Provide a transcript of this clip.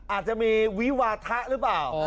อาจจะมีวิวาทะหรือเปล่า